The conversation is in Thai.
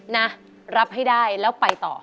นะรับให้ได้แล้วไปต่อ